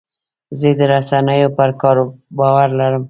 زه د رسنیو پر کار باور لرم.